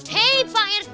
hei pak rt